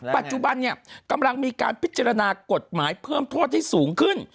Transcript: ปัจจุบันเนี่ยกำลังมีการพิจารณากฎหมายเพิ่มโทษให้สูงขึ้น